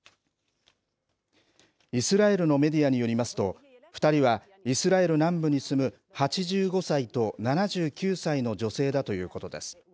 イスラエルのメディアによりますと、２人は、イスラエル南部に住む、８５歳と７９歳の女性だということです。